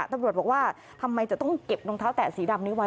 ตำรวจบอกว่าทำไมจะต้องเก็บรองเท้าแตะสีดำนี้ไว้